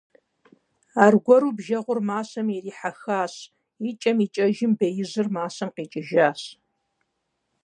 Аргуэру бжэгъур мащэм ирихьэхащ - и кӀэм и кӀэжым беижьыр мащэм къикӀыжащ.